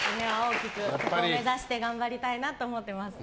目指して頑張りたいと思います。